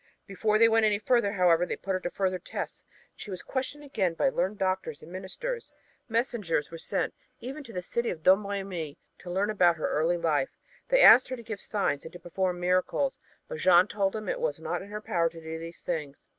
Before they went any further, however, they put her to further tests and she was questioned again by learned doctors and ministers. Messengers were even sent to the village of Domremy to learn about her early life. They asked her to give signs and to perform miracles but Jeanne told them that it was not in her power to do these things.